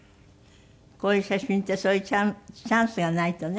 こういう写真ってそういうチャンスがないとね。